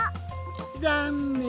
ざんねん。